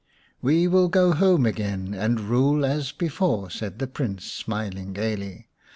" We will go home again and rule as before," said the Prince, smiling gaily.